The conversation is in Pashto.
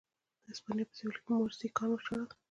د هسپانیا په سوېل کې موریسکیان وشړل.